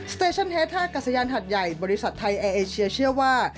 เตชั่นเทสท่ากัสยานหัดใหญ่บริษัทไทยแอร์เอเชียเชื่อว่า